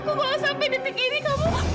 kalau sampai detik ini kamu